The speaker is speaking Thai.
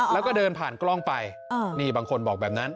แล้วก็เดินผ่านกล้องไปนี่บางคนบอกแบบนั้น